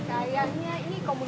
berani gak ikutan